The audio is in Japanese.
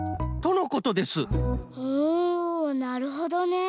おなるほどね。